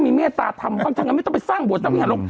มีเมตตาธรรมความทรงนั้นไม่ต้องไปสร้างบวชภัณฑ์หรอก